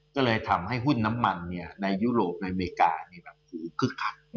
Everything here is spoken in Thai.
ก็เลยทำให้หุ้นน้ำมันในยุโรปอเมริกาคึกคัก